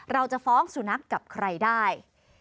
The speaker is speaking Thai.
เราจะฟ้องสุนัขกับใครได้